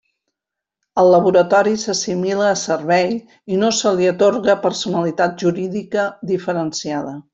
El Laboratori s'assimila a servei i no se li atorga personalitat jurídica diferenciada.